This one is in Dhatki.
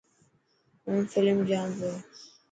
هون فلم جوان پيو.